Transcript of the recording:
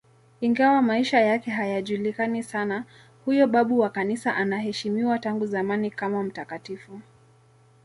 Ingawa maisha yake hayajulikani sana, huyo babu wa Kanisa anaheshimiwa tangu zamani kama mtakatifu.